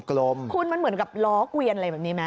คุณมันเหมือนกับล้อเกวียนอะไรแบบนี้ไหม